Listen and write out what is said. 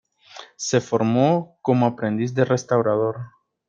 Se formó como aprendiz de restaurador.